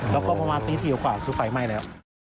แล้วก็ประมาณปีสี่หลังกว่าทุกฝัยไหม้แล้ว